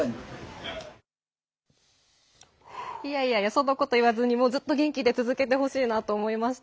そんなこといわずにずっと元気で続けてほしいと思います。